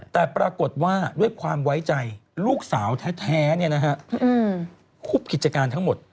แต่ปรากฏว่าด้วยความไว้ใจลูกสาวแท้คุบกิจการทั้งหมด